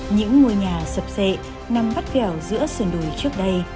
những ngôi nhà sập xệ nằm bắt ghèo giữa sườn đùi trước đây